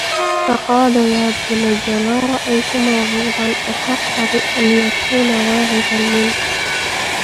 فَقَالَ يَا بُنَيَّ مَا رَأَيْتُ مَوْعُوظًا أَحَقَّ بِأَنْ يَكُونَ وَاعِظًا مِنْك